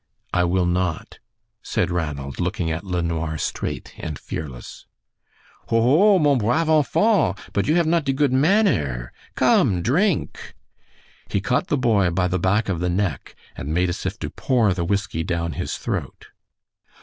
"I will not," said Ranald, looking at LeNoir straight and fearless. "Ho ho! mon brave enfant! But you have not de good mannere. Come, drink!" He caught the boy by the back of the neck, and made as if to pour the whiskey down his throat.